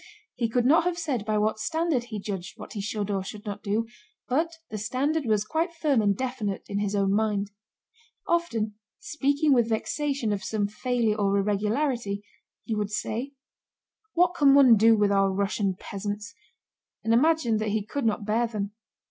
He could not have said by what standard he judged what he should or should not do, but the standard was quite firm and definite in his own mind. Often, speaking with vexation of some failure or irregularity, he would say: "What can one do with our Russian peasants?" and imagined that he could not bear them.